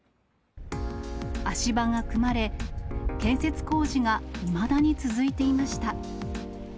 足場が組まれ、建設工事がいまだに続いていました。